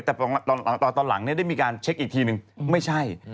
แต่ตอนหลังได้มีการเช็คอีกทีนึงไม่ใช่